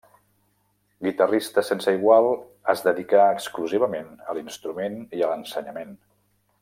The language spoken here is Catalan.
Guitarrista sense igual, es dedicà exclusivament a l'instrument i a l'ensenyament.